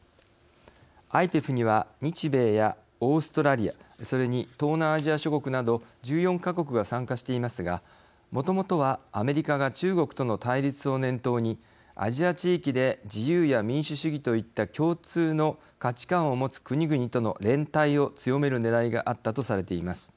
ＩＰＥＦには日米やオーストラリアそれに東南アジア諸国など１４か国が参加していますがもともとはアメリカが中国との対立を念頭にアジア地域で自由や民主主義といった共通の価値観を持つ国々との連帯を強めるねらいがあったとされています。